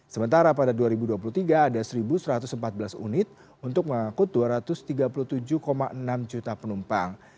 sementara pada dua ribu dua puluh tiga ada satu satu ratus empat belas unit untuk mengangkut dua ratus tiga puluh tujuh enam juta penumpang